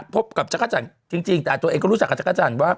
พบกับจักรจันทร์จริงแต่ตัวเองก็รู้จักกับจักรจันทร์ว่า